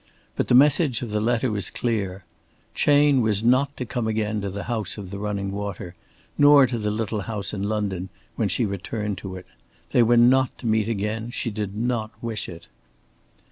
But the message of the letter was clear. Chayne was not to come again to the House of the Running Water; nor to the little house in London when she returned to it. They were not to meet again. She did not wish for it.